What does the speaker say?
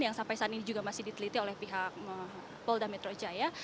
yang sampai saat ini juga masih diteliti oleh pihak polda metro jaya